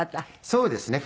そうですね。